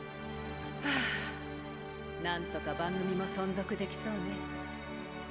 はぁ何とか番組も存続できそうね。